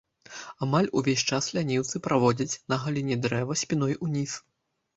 Амаль увесь час ляніўцы праводзяць, на галіне дрэва спіной ўніз.